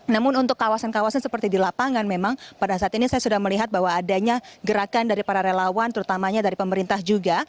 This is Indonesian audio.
namun untuk kawasan kawasan seperti di lapangan memang pada saat ini saya sudah melihat bahwa adanya gerakan dari para relawan terutamanya dari pemerintah juga